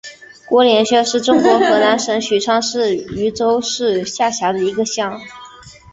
郭连乡是中国河南省许昌市禹州市下辖的一个乡。